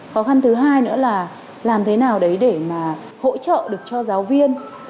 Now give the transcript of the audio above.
khó khăn thứ hai nữa là làm thế nào để hỗ trợ được cho giáo viên